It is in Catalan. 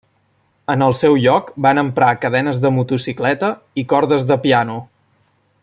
En el seu lloc, van emprar cadenes de motocicleta i cordes de piano.